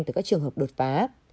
từ các trường hợp đột phá